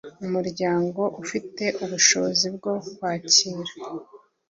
Umuryango ufite ubushobozi bwo kwakira